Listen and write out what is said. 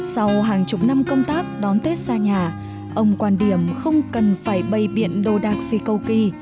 sau hàng chục năm công tác đón tết xa nhà ông quan điểm không cần phải bày biện đồ đạc si câu kỳ